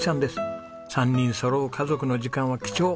３人そろう家族の時間は貴重。